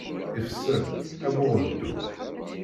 Ifser, am uɣeddu.